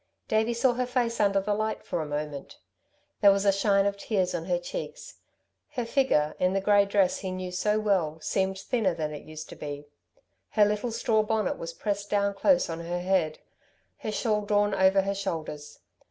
Davey saw her face under the light for a moment. There was a shine of tears on her cheeks. Her figure, in the grey dress he knew so well, seemed thinner than it used to be. Her little straw bonnet was pressed down close on her head, her shawl drawn over her shoulders.